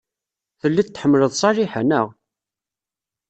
Telliḍ tḥemmleḍ Ṣaliḥa, naɣ?